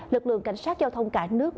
lực lượng cảnh sát giao thông cả nước